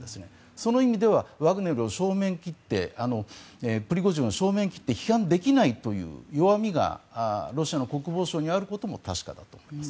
その意味ではワグネルを正面切ってプリゴジンを正面切って批判できないという弱みがロシアの国防省にあることも確かだと思います。